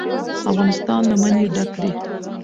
افغانستان له منی ډک دی.